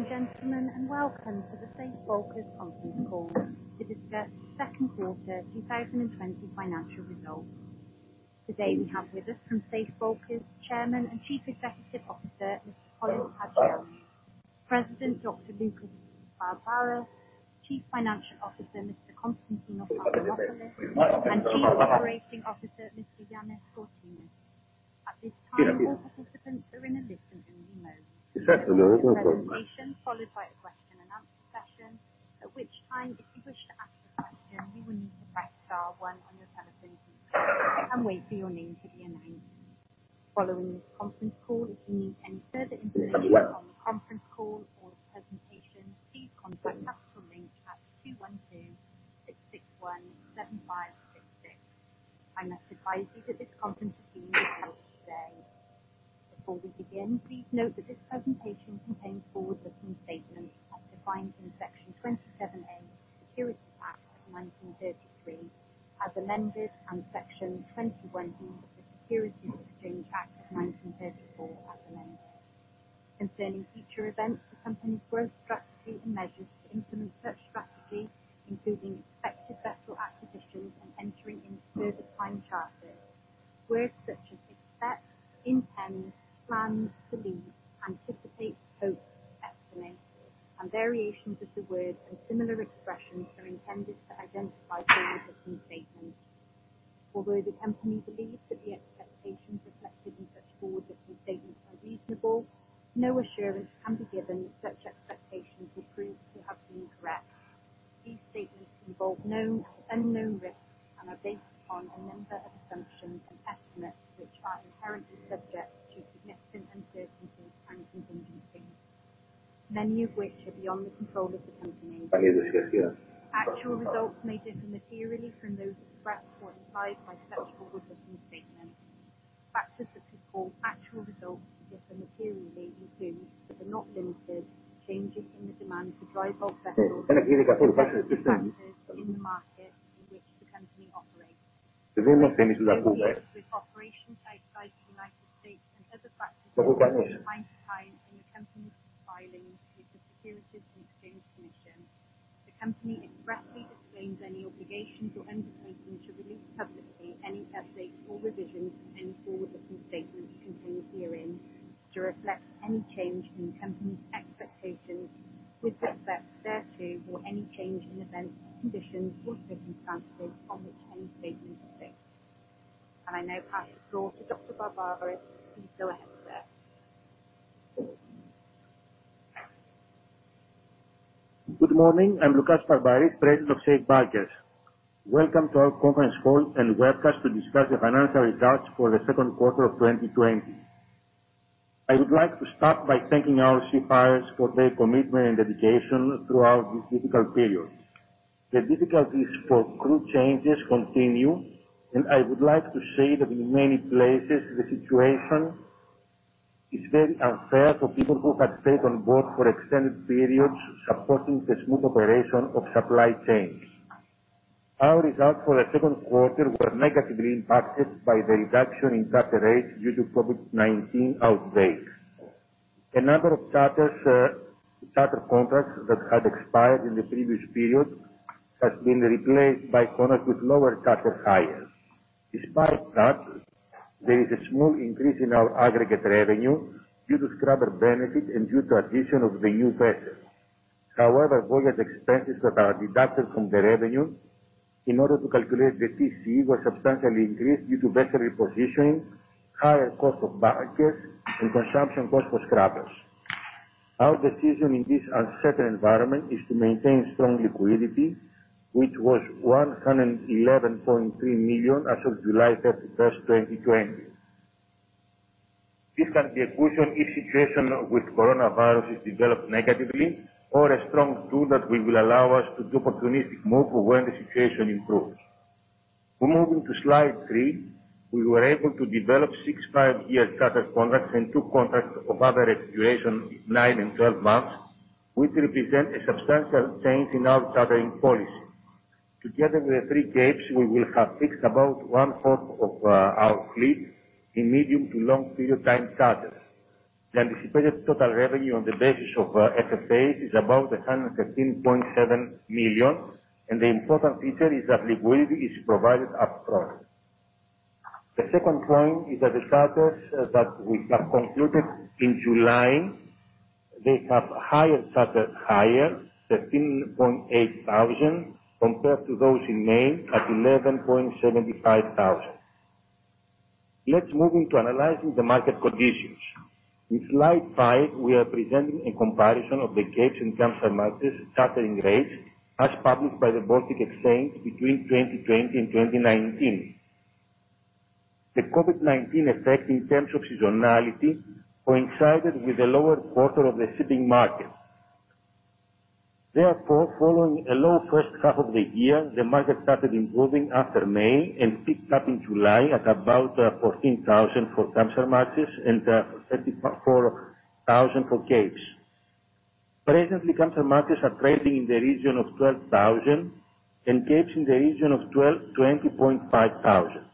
Ladies and gentlemen, welcome to the Safe Bulkers conference call to discuss second quarter 2020 financial results. Today we have with us from Safe Bulkers, Chairman and Chief Executive Officer, Polys Hajioannou, President, Loukas Barmparis, Chief Financial Officer, Konstantinos Adamopoulos, and Chief Operating Officer, Ioannis Foteinos. At this time, all participants are in a listen-only mode. We will start with the presentation, followed by a question-and-answer session. At which time, if you wish to ask a question, you will need to press star one on your telephone and wait for your name to be announced. Following this conference call, if you need any further information on the conference call or the presentation, please contact Capital Link at two one two-six six one-seven five six six. I must advise you that this conference is being recorded today. Before we begin, please note that this presentation contains forward-looking statements as defined in Section 27A of the Securities Act of 1933 as amended, and Section 21E of the Securities Exchange Act of 1934 as amended. Concerning future events, the company's growth strategy and measures to implement such strategy, including expected vessel acquisitions and entering into further time charters. Words such as expect, intend, plan, believe, anticipate, hope, estimate, and variations of the words and similar expressions are intended to identify forward-looking statements. Although the company believes that the expectations reflected in such forward-looking statements are reasonable, no assurance can be given that such expectations will prove to have been correct. These statements involve known and unknown risks and are based upon a number of assumptions and estimates, which are inherently subject to significant uncertainties and contingencies. Many of which are beyond the control of the company. Actual results may differ materially from those expressed or implied by such forward-looking statements. Factors that could cause actual results to differ materially include, but are not limited, changes in the demand for dry bulk vessels and charterers in the market in which the company operates, with operations outside the United States and other factors outlined from time to time in the company's filings with the Securities and Exchange Commission. The company expressly disclaims any obligations or undertaking to release publicly any updates or revisions to any forward-looking statements contained herein to reflect any change in the company's expectations with respect thereto or any change in events, conditions or circumstances on which any statement is based. I now pass the floor to Dr. Barmparis. Please go ahead, sir. Good morning? I'm Loukas Barmparis, President of Safe Bulkers. Welcome to our conference call and webcast to discuss the financial results for the second quarter of 2020. I would like to start by thanking our seafarers for their commitment and dedication throughout this difficult period. The difficulties for crew changes continue, and I would like to say that in many places, the situation is very unfair for people who had stayed on board for extended periods supporting the smooth operation of supply chains. Our results for the second quarter were negatively impacted by the reduction in charter rates due to COVID-19 outbreaks. A number of charter contracts that had expired in the previous period has been replaced by contracts with lower charter hires. Despite that, there is a small increase in our aggregate revenue due to scrubber benefit and due to addition of the new vessels. Voyage expenses that are deducted from the revenue in order to calculate the TCE was substantially increased due to vessel repositioning, higher cost of bunkers, and consumption cost for scrubbers. Our decision in this uncertain environment is to maintain strong liquidity, which was $111.3 million as of July 31, 2020. This can be a cushion if situation with coronavirus is developed negatively or a strong tool that will allow us to opportunistic move when the situation improves. Moving to slide three, we were able to develop six five-year charter contracts and two contracts of other expiration, nine and twelve months, which represent a substantial change in our chartering policy. Together with the three Capes, we will have fixed about 1/4 of our fleet in medium to long period time charters. The anticipated total revenue on the basis of FFAs is about $113.7 million and the important feature is that liquidity is provided up front. The second point is that the charters that we have concluded in July, they have higher charter hire, $13,800, compared to those in May at $11,750. Let's move into analyzing the market conditions. In slide five, we are presenting a comparison of the Capes and Kamsar market chartering rates as published by the Baltic Exchange between 2020 and 2019. The COVID-19 effect in terms of seasonality coincided with the lower quarter of the shipping market. Therefore, following a low first half of the year, the market started improving after May and picked up in July at about $14,000 for Kamsarmax and $34,000 for Capes. Presently, Kamsarmax are trading in the region of $12,000 and Capes in the region of $20,500.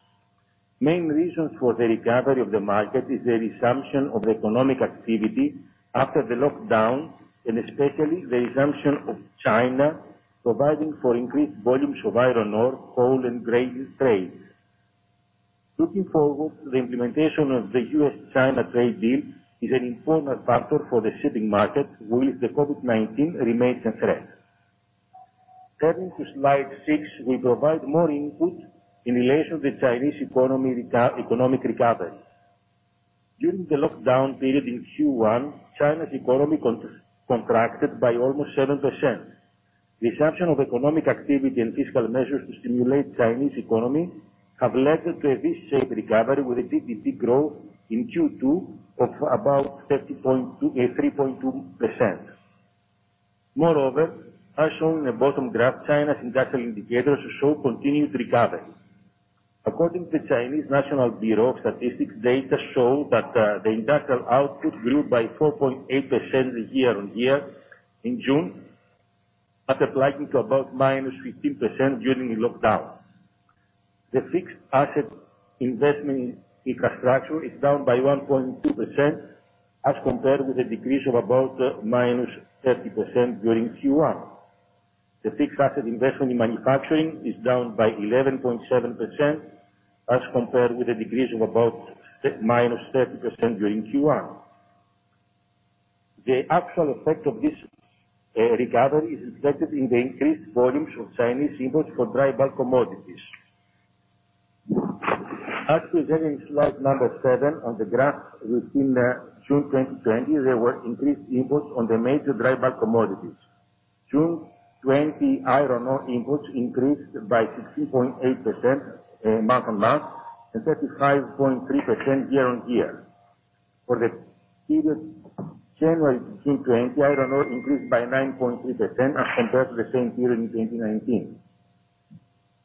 Main reasons for the recovery of the market is the resumption of economic activity after the lockdown, and especially the resumption of China providing for increased volumes of iron ore, coal, and grain trades. Looking forward, the implementation of the U.S.-China trade deal is an important factor for the shipping market while the COVID-19 remains a threat. Turning to slide six, we provide more input in relation to Chinese economic recovery. During the lockdown period in Q1, China's economy contracted by almost 7%. Resumption of economic activity and fiscal measures to stimulate Chinese economy have led to a V-shaped recovery with a GDP growth in Q2 of about 3.2%. Moreover, as shown in the bottom graph, China's industrial indicators show continued recovery. According to National Bureau of Statistics of China, data show that the industrial output grew by 4.8% year-on-year in June, after declining to about -15% during lockdown. The fixed asset investment in infrastructure is down by 1.2%, as compared with a decrease of about -30% during Q1. The fixed asset investment in manufacturing is down by 11.7%, as compared with a decrease of about -30% during Q1. The actual effect of this recovery is reflected in the increased volumes of Chinese imports for dry bulk commodities. As presented in slide seven on the graph within June 2020, there were increased imports on the major dry bulk commodities. June 2020 iron ore imports increased by 16.8% month-on-month and 35.3% year-on-year. For the period January to June 2020, iron ore increased by 9.3% as compared to the same period in 2019.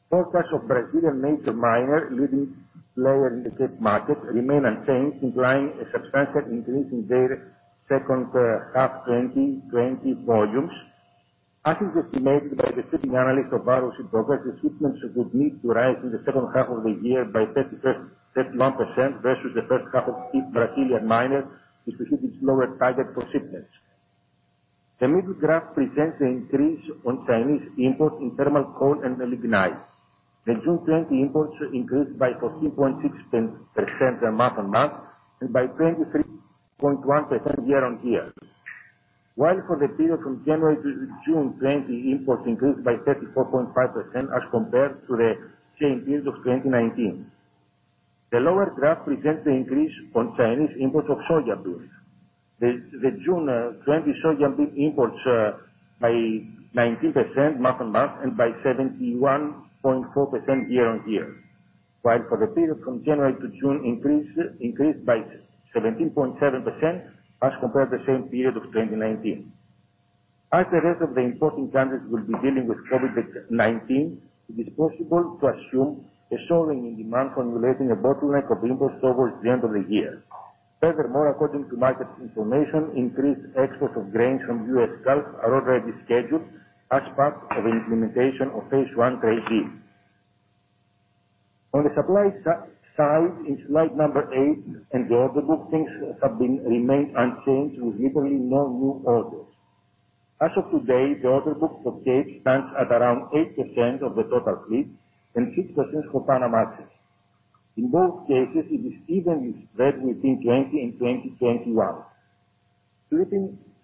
Forecast of Brazilian major miner leading lower indicate markets remain unchanged, implying a substantial increase in their second half 2020 volumes. As is estimated by the shipping analyst of Braemar Shipping Services, the shipments would need to rise in the second half of the year by 31% versus the first half of the Brazilian miner to achieve its lower target for shipments. The middle graph presents the increase on Chinese import in thermal coal and lignite. The June 2020 imports increased by 14.6% month-on-month and by 23.1% year-on-year, while for the period from January to June 2020, imports increased by 34.5% as compared to the same period of 2019. The lower graph presents the increase on Chinese imports of soya beans. The June 2020 soyabean imports by 19% month-on-month and by 71.4% year-on-year, while for the period from January to June increased by 17.7% as compared to the same period of 2019. As the rest of the importing countries will be dealing with COVID-19, it is possible to assume a soaring in demand formulating a bottleneck of imports towards the end of the year. According to market information, increased exports of grains from U.S. Gulf are already scheduled as part of the implementation of phase 1 trade deal. On the supply side in slide number eight and the order book, things have remained unchanged with literally no new orders. As of today, the order books for Capesize stands at around 8% of the total fleet and 6% for Panamax. In both cases, it is evenly spread between 2020 and 2021.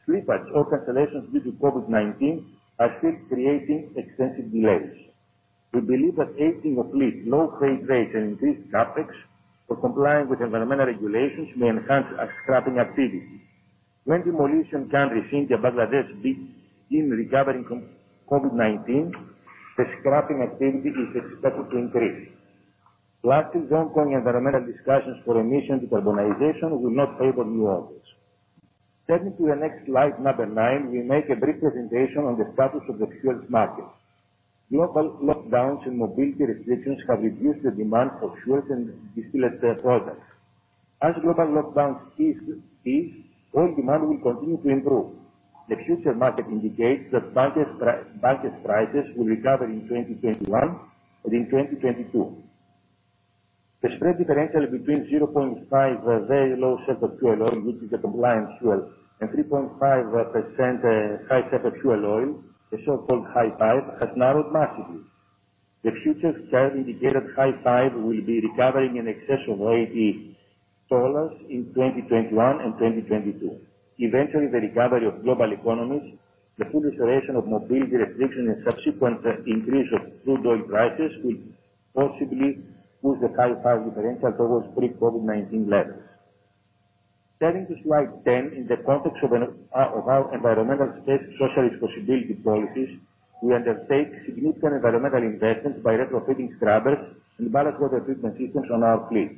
Slippage or cancellations due to COVID-19 are still creating extensive delays. We believe that aging of fleet, low freight rates and increased CapEx for complying with environmental regulations may enhance scrapping activity. When demolition countries India, Bangladesh begin recovering from COVID-19, the scrapping activity is expected to increase. Lastly, ongoing environmental discussions for emission decarbonization will not favor new orders. Turning to the next slide, number nine, we make a brief presentation on the status of the fuels market. Global lockdowns and mobility restrictions have reduced the demand for fuels and distiller products. As global lockdowns cease, oil demand will continue to improve. The future market indicates that bunker prices will recover in 2021 and in 2022. The spread differential between 0.5% very low sulfur fuel oil, which is a compliance fuel, and 3.5% high sulfur fuel oil, the so-called Hi5, has narrowed massively. The futures curve indicate that Hi-5 will be recovering in excess of $80 in 2021 and 2022. Eventually, the recovery of global economies, the full restoration of mobility restriction, and subsequent increase of crude oil prices could possibly push the Hi5 differential towards pre-COVID-19 levels. Turning to slide 10, in the context of our environmental, social responsibility policies, we undertake significant environmental investments by retrofitting scrubbers and ballast water treatment systems on our fleet.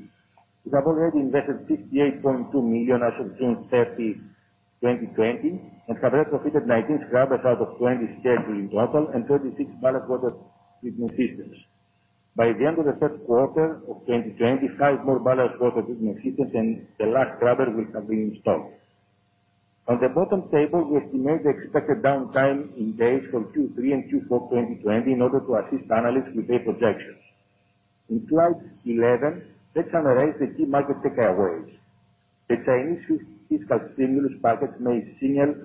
We have already invested $68.2 million as of June 30, 2020, and have retrofitted 19 scrubbers out of 20 scheduled in total and 36 ballast water treatment systems. By the end of the third quarter of 2020, five more ballast water treatment systems and the last scrubber will have been installed. On the bottom table, we estimate the expected downtime in days for Q3 and Q4 2020 in order to assist analysts with their projections. In slide 11, let's summarize the key market takeaways. The Chinese fiscal stimulus package may signal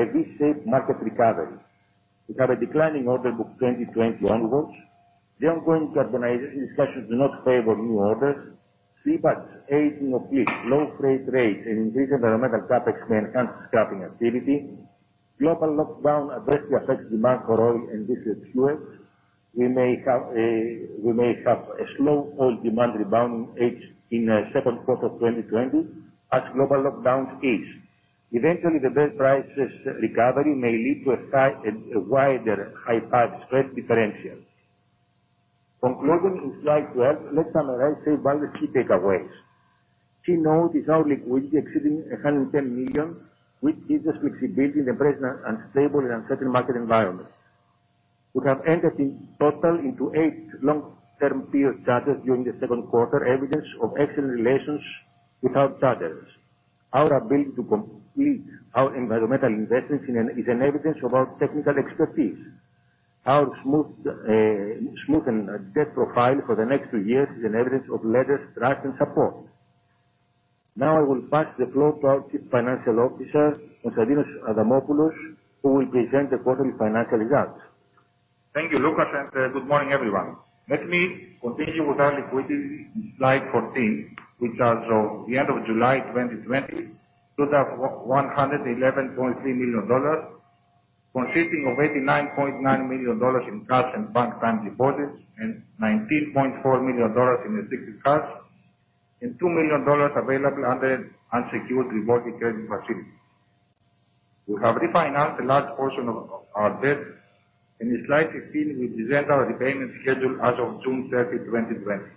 a V-shaped market recovery. We have a declining order book 2020 onwards. The ongoing decarbonization discussions do not favor new orders. CBAM's aging of fleet, low freight rates, and increasing environmental CapEx may enhance scrapping activity. Global lockdown adversely affects demand for oil and distillates fuels. We may have a slow oil demand rebound in second quarter 2020, as global lockdowns ease. Eventually, the best prices recovery may lead to a wider Hi5 spread differential. Concluding in slide 12, let's summarize Safe Bulkers' key takeaways. Key note is our liquidity exceeding $110 million, which gives us flexibility in the present unstable and uncertain market environment. We have entered in total into eight long-term period charters during the second quarter, evidence of excellent relations with our charters. Our ability to complete our environmental investments is an evidence of our technical expertise. Our smoothened debt profile for the next two years is an evidence of lenders' trust and support. Now I will pass the floor to our Chief Financial Officer, Konstantinos Adamopoulos, who will present the quarterly financial results. Thank you, Loukas, and good morning, everyone. Let me continue with our liquidity in slide 14, which as of the end of July 2020, stood at $111.3 million, consisting of $89.9 million in cash and bank time deposits, and $19.4 million in restricted cash, and $2 million available under unsecured revolving credit facilities. We have refinanced a large portion of our debt. In slide 15, we present our repayment schedule as of June 30, 2020.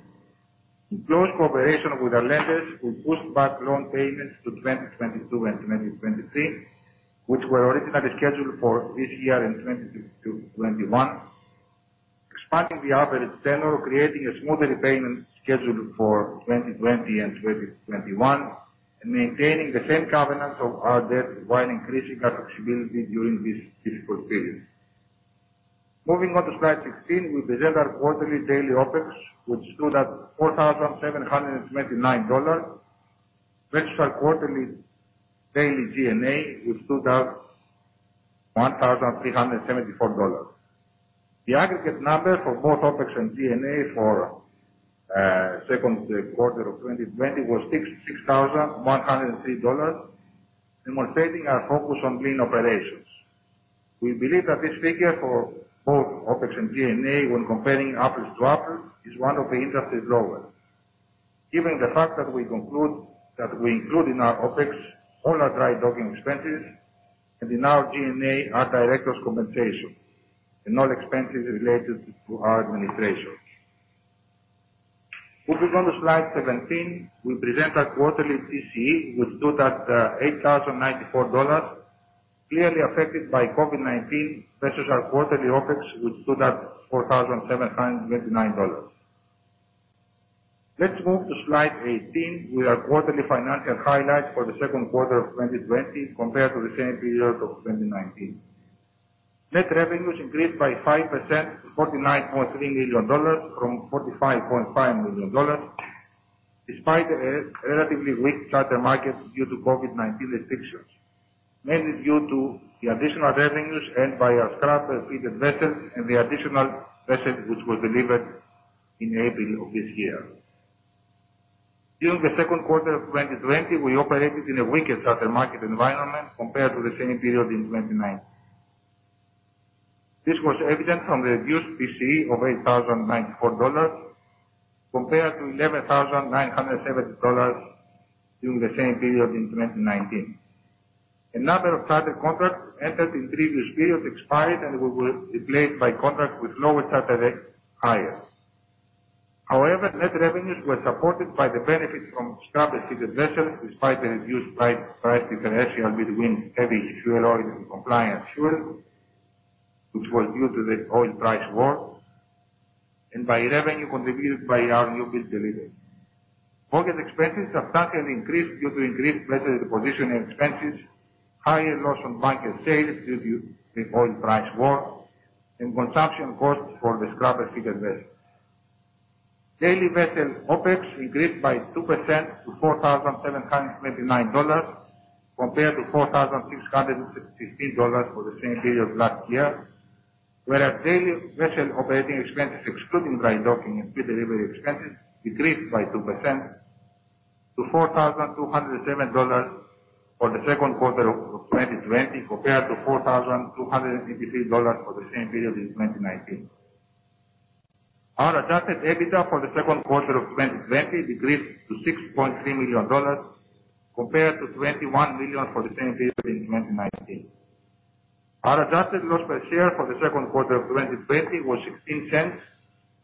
In close cooperation with our lenders, we pushed back loan payments to 2022 and 2023, which were originally scheduled for this year and 2021, expanding the average tenor, creating a smoother repayment schedule for 2020 and 2021, and maintaining the same covenants of our debt while increasing our flexibility during this difficult period. Moving on to slide 16, we present our quarterly daily OpEx, which stood at $4,779 versus our quarterly daily G&A, which stood at $1,374. The aggregate number for both OpEx and G&A for second quarter of 2020 was $6,103, demonstrating our focus on lean operations. We believe that this figure for both OpEx and G&A, when comparing apples to apples, is one of the industry's lowest, given the fact that we include in our OpEx all our dry docking expenses, and in our G&A, our directors' compensation and all expenses related to our administration. Moving on to slide 17, we present our quarterly TCE, which stood at $8,094, clearly affected by COVID-19 versus our quarterly OpEx, which stood at $4,779. Let's move to slide 18 with our quarterly financial highlights for the second quarter of 2020 compared to the same period of 2019. Net revenues increased by 5% to $49.3 million from $45.5 million, despite a relatively weak charter market due to COVID-19 restrictions, mainly due to the additional revenues earned by our scrubber-fitted vessels and the additional vessel which was delivered in April of this year. During the second quarter of 2020, we operated in a weaker charter market environment compared to the same period in 2019. This was evident from the reduced TCE of $8,094 compared to $11,970 during the same period in 2019. A number of charter contracts entered in previous periods expired and were replaced by contracts with lower charter rates hired. Net revenues were supported by the benefit from scrubber-fitted vessels, despite the reduced [spread] price differential between heavy fuel oil and compliant fuel, which was due to the oil price war, and by revenue contributed by our newbuild delivery. Operating expenses have slightly increased due to increased vessel repositioning expenses, higher loss on bunker sales due to the oil price war, and consumption costs for the scrubber-fitted vessels. Daily vessel OpEx increased by 2% to $4,779 compared to $4,616 for the same period last year. Daily vessel operating expenses, excluding dry docking and pre-delivery expenses, decreased by 2% to $4,207 for the second quarter of 2020 compared to $4,253 for the same period in 2019. Our adjusted EBITDA for the second quarter of 2020 decreased to $6.3 million compared to $21 million for the same period in 2019. Our adjusted loss per share for the second quarter of 2020 was $0.16,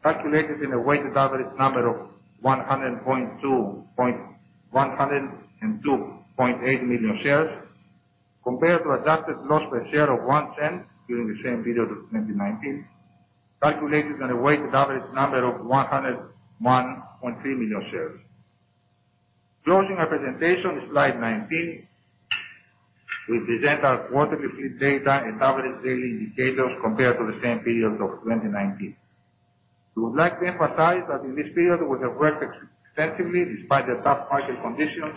calculated in a weighted average number of 102.8 million shares, compared to adjusted loss per share of $0.01 during the same period of 2019. Calculated on a weighted average number of 101.3 million shares. Closing our presentation, slide 19. We present our quarterly fleet data and average daily indicators compared to the same period of 2019. We would like to emphasize that in this period, we have worked extensively despite the tough market conditions,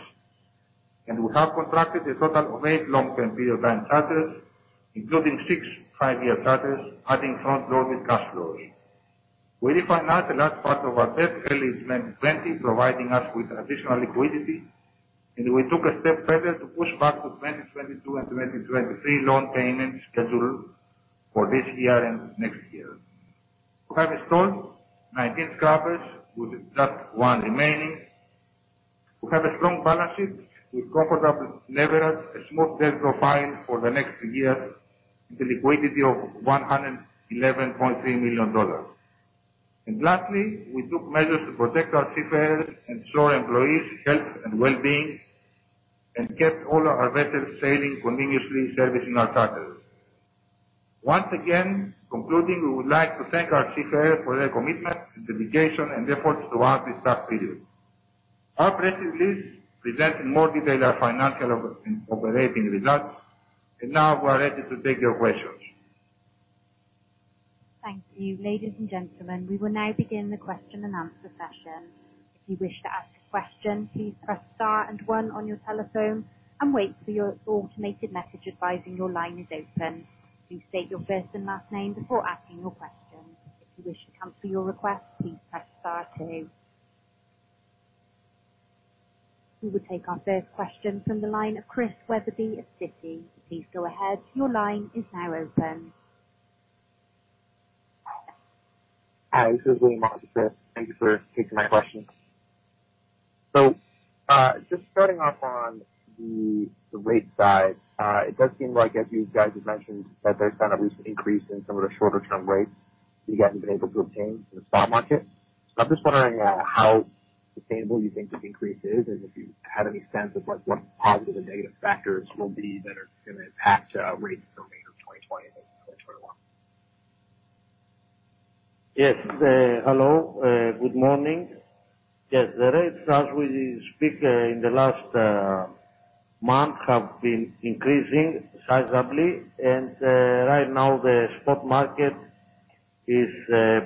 and we have contracted a total of eight long-term period time charters, including six five-year charters, adding front-loaded cash flows. We refinanced the last part of our debt early in 2020, providing us with additional liquidity, and we took a step further to push back to 2022 and 2023 loan payment schedule for this year and next year. We have installed 19 scrubbers, with just one remaining. We have a strong balance sheet with comfortable leverage, a smooth debt profile for the next year, and liquidity of $111.3 million. Lastly, we took measures to protect our seafarers ensure employees' health and well-being, and kept all our vessels sailing continuously servicing our charters. Once again, concluding, we would like to thank our seafarers for their commitment, dedication, and efforts throughout this tough period. Our press release presents in more detail our financial operating results. Now we are ready to take your questions. Thank you. Ladies and gentlemen, we will now begin the question-and-answer session. If you wish to ask a question, please press star and one on your telephone and wait for your automated message advising your line is open. Please state your first and last name before asking your question. If you wish to cancel your request, please press star two. We will take our first question from the line of Christian Wetherbee of Citi, please go ahead. Your line is now open. Hi, this is William off of Citi. Thank you for taking my question. Just starting off on the rate side, it does seem like as you guys have mentioned, that there's kind of recent increase in some of the shorter-term rates that you guys have been able to obtain in the spot market. I'm just wondering how sustainable you think this increase is, and if you have any sense of what positive and negative factors will be that are going to impact rates for the remainder of 2020 and into 2021. Yes. Hello. Good morning. The rates as we speak in the last month have been increasing sizably and right now the spot market is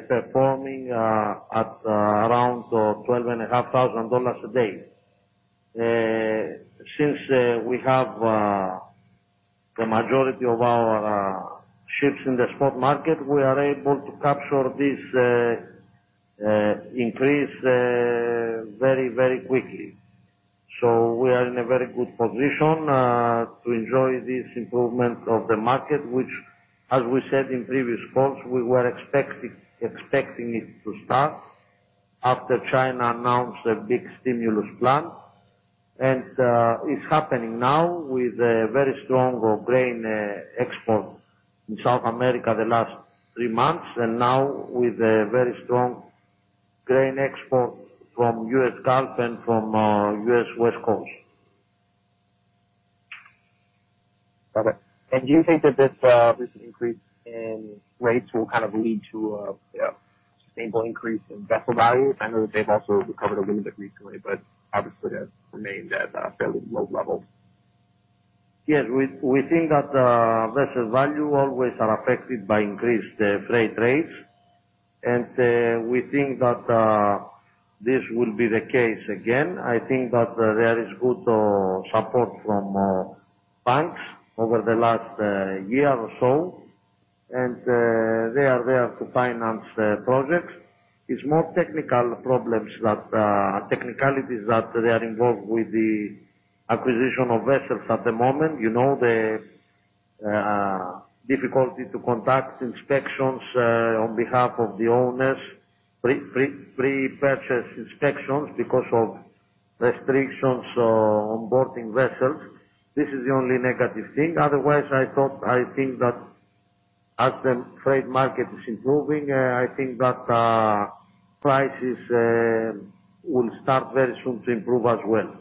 performing at around 12 and a half thousand dollars a day. Since we have the majority of our ships in the spot market, we are able to capture this increase very, very quickly. We are in a very good position to enjoy this improvement of the market which, as we said in previous calls, we were expecting it to start after China announced a big stimulus plan. It's happening now with very strong grain exports in South America the last three months, and now with very strong grain export from U.S. Gulf and from U.S. West Coast. Okay. Do you think that this recent increase in rates will kind of lead to a sustainable increase in vessel values? I know that they've also recovered a little bit recently, but obviously have remained at a fairly low level. Yes, we think that vessel value always are affected by increased freight rates. We think that this will be the case again. I think that there is good support from banks over the last year or so and they are there to finance projects. It's more technicalities that they are involved with the acquisition of vessels at the moment, the difficulty to conduct inspections on behalf of the owners, pre-purchase inspections because of restrictions on boarding vessels. This is the only negative thing. Otherwise, I think that as the freight market is improving, I think that prices will start very soon to improve as well.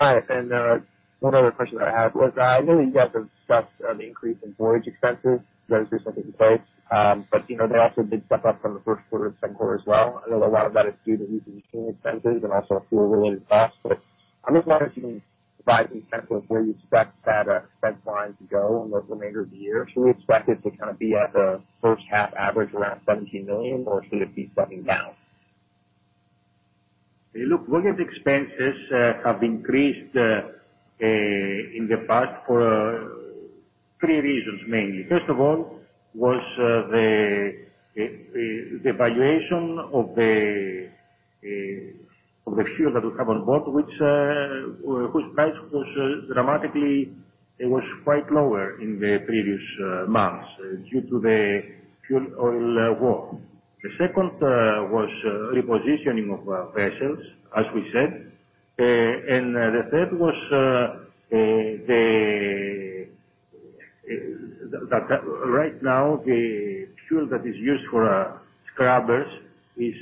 All right. One other question that I had was, I know you guys have discussed an increase in voyage expenses very recently in place. They also did step up from the first quarter to the second quarter as well. I know a lot of that is due to increasing expenses and also fuel-related costs, but I'm just wondering if you can provide some sense of where you expect that expense line to go in the remainder of the year. Should we expect it to kind of be at the first half average around $17 million, or should it be coming down? Look, voyage expenses have increased in the past for three reasons mainly. First of all was the valuation of the fuel that we have on board, whose price was dramatically, it was quite lower in the previous months due to the fuel oil war. The second was repositioning of vessels, as we said. The third was that right now the fuel that is used for scrubbers is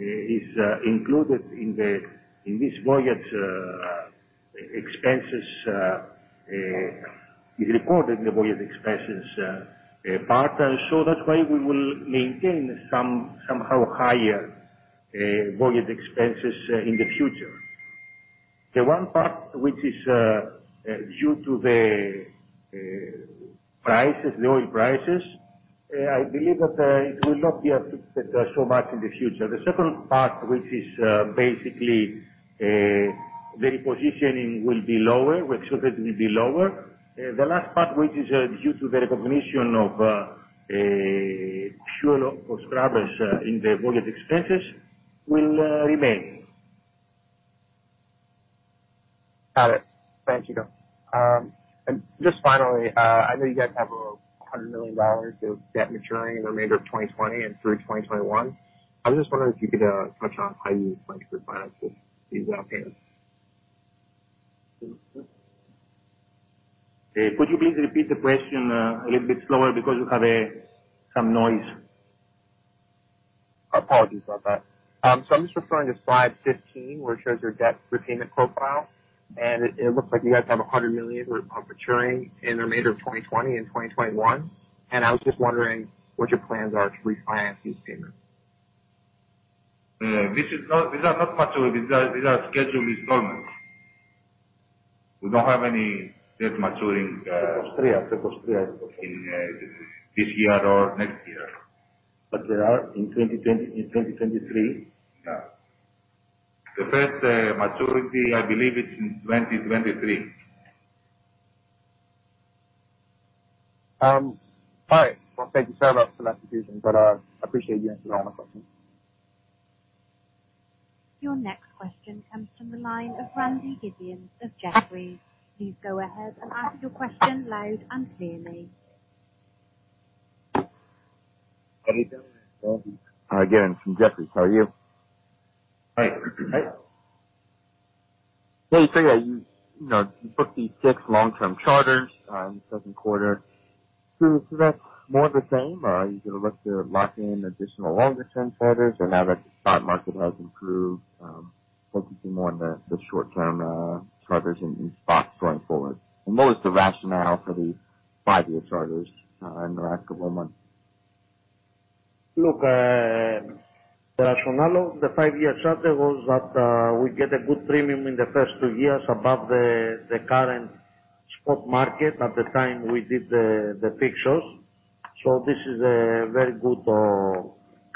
included in this voyage expenses is reported in the voyage expenses part. That's why we will maintain somehow higher voyage expenses in the future. The one part which is due to the oil prices, I believe that it will not be affected so much in the future. The second part, which is basically the repositioning will be lower. We expect it will be lower. The last part, which is due to the recognition of fuel oil scrubbers in the voyage expenses, will remain. Got it. Thanks, Polys. Just finally, I know you guys have $100 million of debt maturing in the remainder of 2020 and through 2021. I was just wondering if you could touch on how you plan to refinance these out payments. Could you please repeat the question a little bit slower because you have some noise? Apologies about that. I'm just referring to slide 15, which shows your debt repayment profile, it looks like you guys have $100 million worth of maturing in the remainder of 2020 and 2021. I was just wondering what your plans are to refinance these payments. These are scheduled installments. We don't have any debt maturing this year or next year. There are in 2023? Yeah. The first maturity, I believe, it's in 2023. All right. Well, thank you so much for the last decision, but I appreciate you answering all my questions. Your next question comes from the line of Randy Giveans of Jefferies, please go ahead and ask your question loud and clearly. How are you doing, Randy? Hi, again, from Jefferies. How are you? Hi. Yeah, you booked these fixed long-term charters in the second quarter. That's more of the same? Are you going to look to lock in additional longer-term charters now that the stock market has improved, focusing more on the short-term charters in spot going forward? What was the rationale for the five-year charters in the last couple of months? Look, the rationale of the five-year charter was that we get a good premium in the first two years above the current spot market at the time we did the fixtures. This is a very good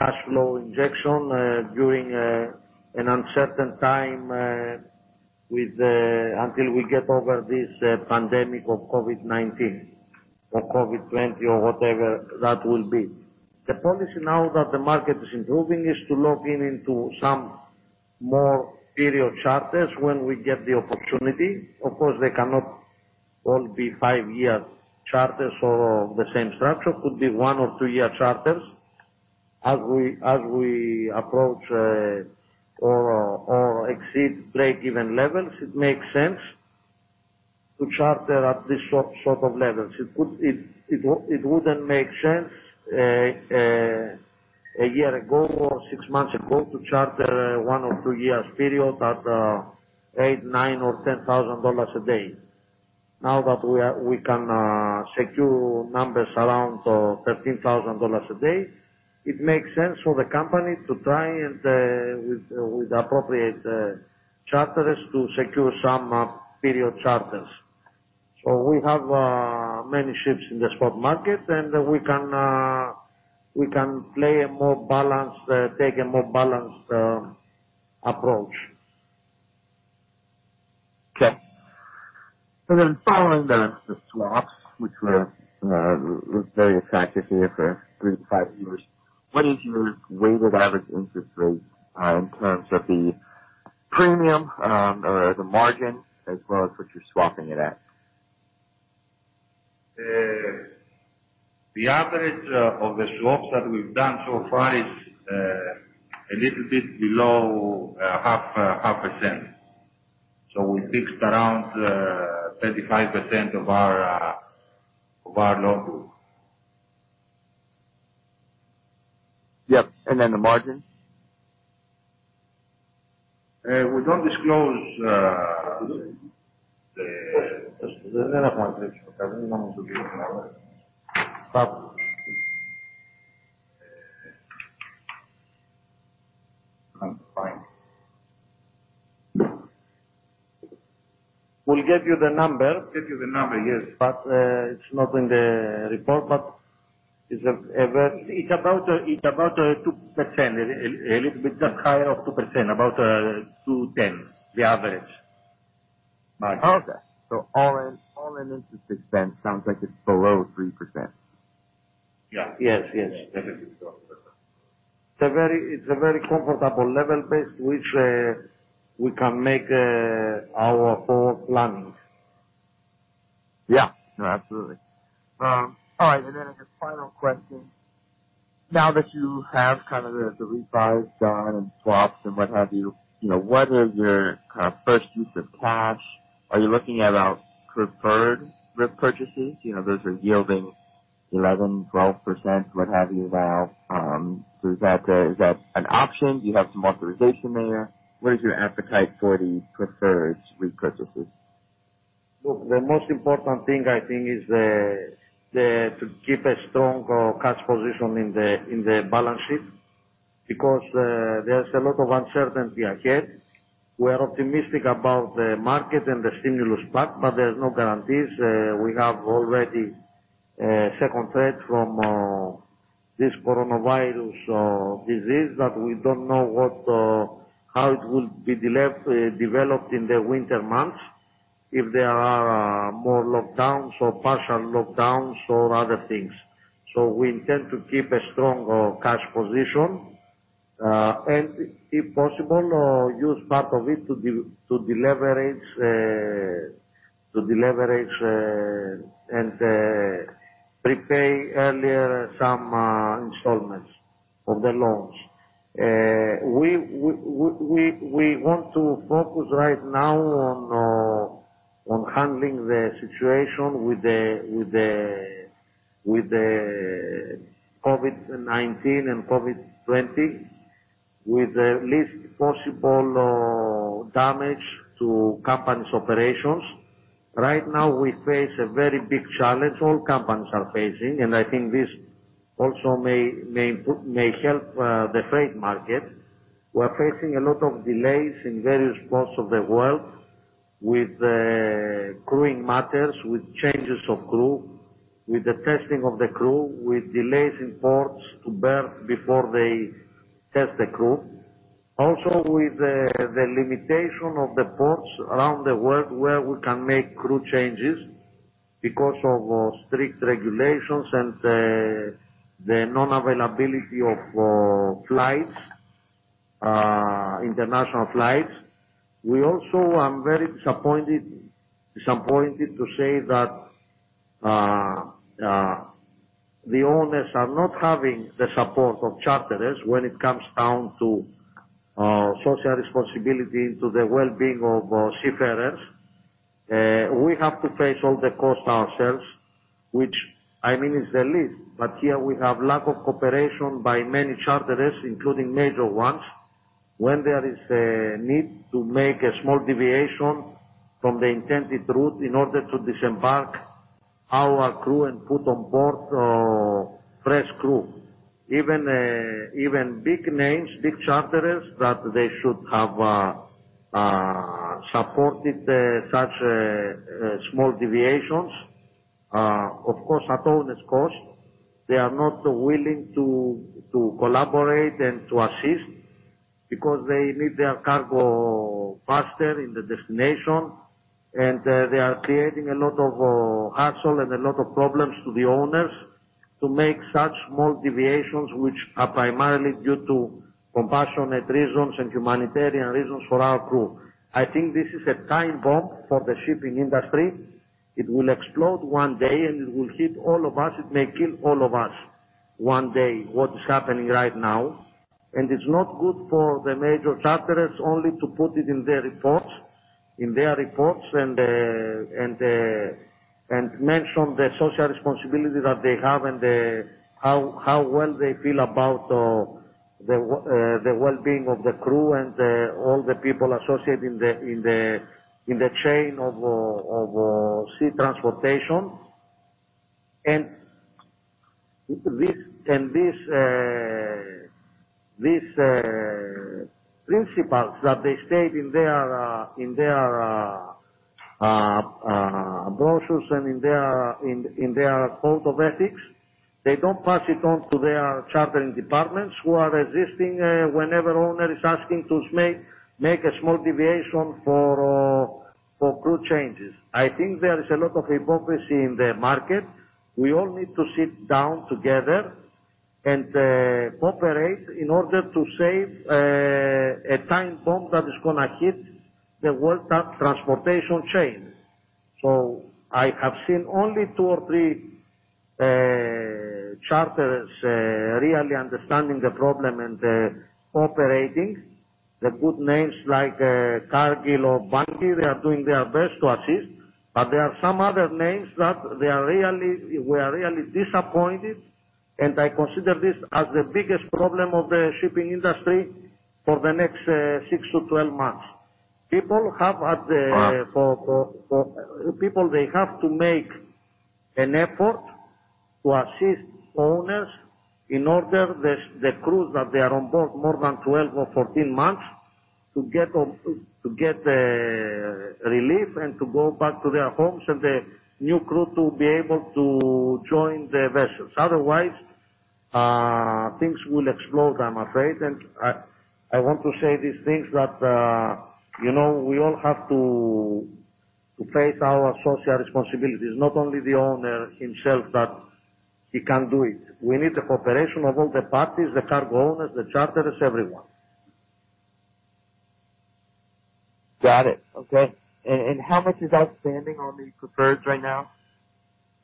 cash flow injection during an uncertain time until we get over this pandemic of COVID-19 or whatever that will be. The policy now that the market is improving is to lock in into some more period charters when we get the opportunity. Of course, they cannot all be five-year charters or the same structure. It could be one or two-year charters. As we approach or exceed break-even levels, it makes sense to charter at this sort of levels. It wouldn't make sense a year ago or six months ago to charter a one or two years period at $8,000, $9,000 or $10,000 a day. Now that we can secure numbers around $13,000 a day, it makes sense for the company to try and with appropriate charters to secure some period charters. We have many ships in the spot market, and we can take a more balanced approach. Okay. Then following the swaps, which were very attractive for you for three years-five years, what is your weighted average interest rate in terms of the premium or the margin, as well as what you're swapping it at? The average of the swaps that we've done so far is a little bit below half a percent. We fixed around 35% of our loan book. Yep. Then the margin? We will nod disclose that. We'll give you the number. Give you the number, yes. It's not in the report. It's about 2%, a little bit higher of 2%, about 2.10%, the average margin. Okay. All-in interest expense sounds like it's below 3%? Yeah. Definitely below 3%. It's a very comfortable level based which we can make our forward planning. Yeah. No, absolutely. All right, the final question. Now that you have kind of the refis done and swaps and what have you, what is your kind of first use of cash? Are you looking at preferred repurchases? Those are yielding 11%, 12%, what have you now. Is that an option? Do you have some authorization there? What is your appetite for the preferred repurchases? The most important thing I think is to keep a strong cash position in the balance sheet, because there's a lot of uncertainty ahead. We are optimistic about the market and the stimulus pack, but there's no guarantees. We have already a second threat from this coronavirus disease that we don't know how it will be developed in the winter months, if there are more lockdowns or partial lockdowns or other things. We intend to keep a strong cash position, and if possible, use part of it to deleverage and prepay earlier some installments of the loans. We want to focus right now on handling the situation with the COVID-19 with the least possible damage to company's operations. Right now, we face a very big challenge all companies are facing, I think this also may help the freight market. We're facing a lot of delays in various ports of the world with crewing matters, with changes of crew, with the testing of the crew, with delays in ports to berth before they test the crew. With the limitation of the ports around the world where we can make crew changes because of strict regulations and the non-availability of international flights. We also are very disappointed to say that the owners are not having the support of charterers when it comes down to social responsibility to the well-being of seafarers. We have to face all the costs ourselves, which is the least. Here we have lack of cooperation by many charterers, including major ones, when there is a need to make a small deviation from the intended route in order to disembark our crew and put on board fresh crew. Even big names, big charterers, that they should have supported such small deviations, of course, at owner's cost, they are not willing to collaborate and to assist because they need their cargo faster in the destination. They are creating a lot of hassle and a lot of problems to the owners to make such small deviations, which are primarily due to compassionate reasons and humanitarian reasons for our crew. I think this is a time bomb for the shipping industry. It will explode one day, and it will hit all of us. It may kill all of us one day, what is happening right now. It's not good for the major charterers only to put it in their reports, and mention the social responsibility that they have and how well they feel about the well-being of the crew and all the people associated in the chain of sea transportation. These principles that they state in their brochures and in their code of ethics, they don't pass it on to their chartering departments who are resisting whenever owner is asking to make a small deviation for crew changes. I think there is a lot of hypocrisy in the market. We all need to sit down together and cooperate in order to save a time bomb that is going to hit the world transportation chain. I have seen only two or three charterers really understanding the problem and cooperating. The good names like Cargill or Bunge, they are doing their best to assist. There are some other names that we are really disappointed, and I consider this as the biggest problem of the shipping industry for the next 6 months to 12 months. People, they have to make an effort to assist owners in order the crews that they are on board more than 12 months or 14 months, to get relief and to go back to their homes, and the new crew to be able to join the vessels. Otherwise, things will explode, I'm afraid. I want to say these things that we all have to face our social responsibilities, not only the owner himself, that he can do it. We need the cooperation of all the parties, the cargo owners, the charterers, everyone. Got it. Okay. How much is outstanding on the preferred right now?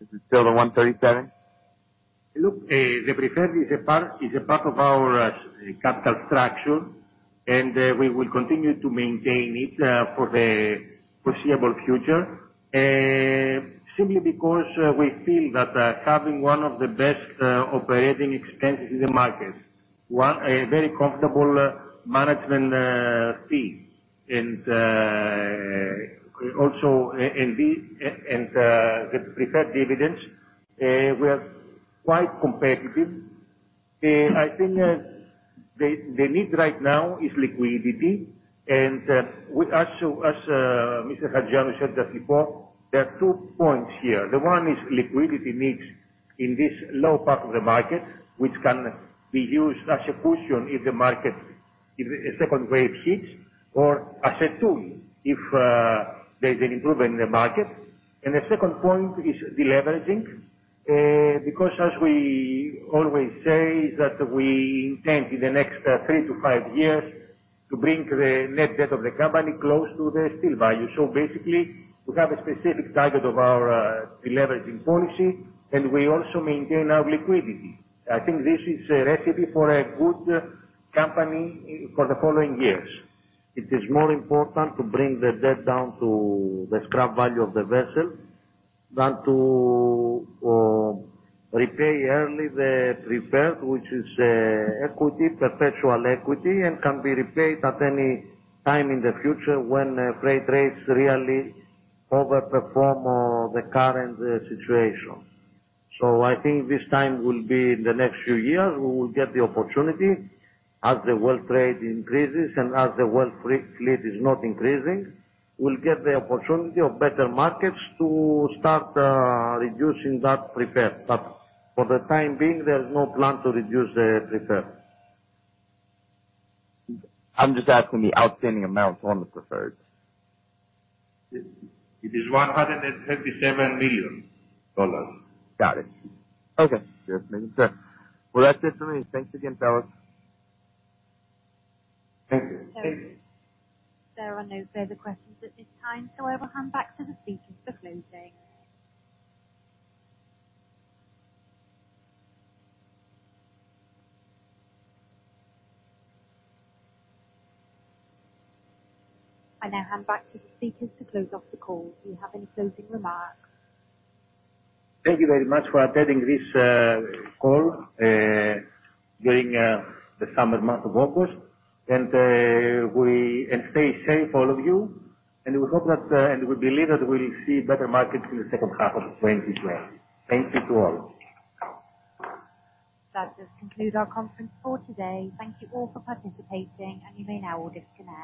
Is it still the $137 million? Look, the preferred is a part of our capital structure. We will continue to maintain it for the foreseeable future, simply because we feel that having one of the best operating expenses in the market, a very comfortable management fee and the preferred dividends, we are quite competitive. I think the need right now is liquidity, and as Mr. Hajioannou said just before, there are two points here. The one is liquidity needs in this low part of the market, which can be used as a cushion if the market, if a second wave hits, or as a tool if there is an improvement in the market. The second point is deleveraging. As we always say, that we intend in the next three years-five years to bring the net debt of the company close to the steel value. Basically, we have a specific target of our deleveraging policy, and we also maintain our liquidity. I think this is a recipe for a good company for the following years. It is more important to bring the debt down to the scrap value of the vessel than to repay early the preferred, which is perpetual equity and can be repaid at any time in the future when freight rates really over-perform the current situation. I think this time will be in the next few years. We will get the opportunity as the world trade increases and as the world fleet is not increasing. We'll get the opportunity of better markets to start reducing that preferred. For the time being, there is no plan to reduce the preferred. I'm just asking the outstanding amounts on the preferred. It is $157 million. Got it. Okay. Just making sure. That's it for me. Thanks again, fellas. Thank you. There are no further questions at this time. I will hand back to the speakers for closing. I now hand back to the speakers to close off the call. Do you have any closing remarks? Thank you very much for attending this call during the summer month of August. Stay safe, all of you, and we believe that we'll see better markets in the second half of 2020. Thank you to all. That does conclude our conference for today. Thank you all for participating, and you may now all disconnect.